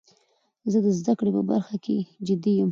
زه د زده کړي په برخه کښي جدي یم.